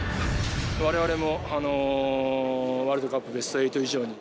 われわれもワールドカップベスト８以上に。